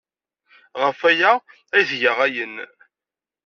Ɣef waya ay tga ayen.